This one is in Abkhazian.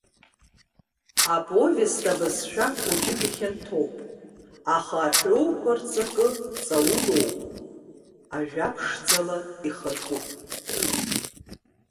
Аповест абызшәа хәыҷык ихьанҭоуп, аха аҳәоуқәа рҵакы ҵаулоуп, ажәаԥшӡала ихыркуп.